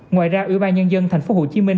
ngoài ra ubnd thành phố hồ chí minh